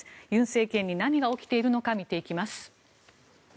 尹政権に何が起きているのか見ていきます。